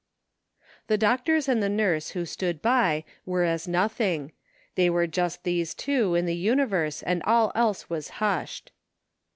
The doctors and the nurse wiho stood by were as nothing. There were just these two in the universe and all else was hushed.